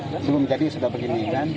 belum jadi sudah begini kan